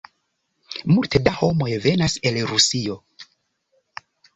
Multe da homoj venas el Rusio.